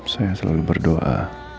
saya selalu berdoa